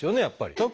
やっぱり。